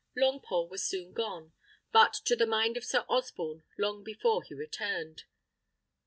Longpole was soon gone; but, to the mind of Sir Osborne, long before he returned.